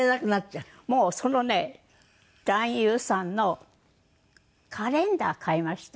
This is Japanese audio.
もうそのね男優さんのカレンダー買いました。